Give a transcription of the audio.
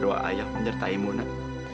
doa ayah menyertai mu nek